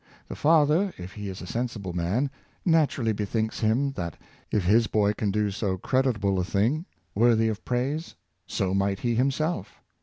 The father, if he is a sensible man, naturally bethinks him that if his boy can do so creditable a thing, worthy of praise, so might he himself.